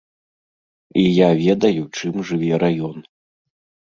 І я ведаю, чым жыве раён.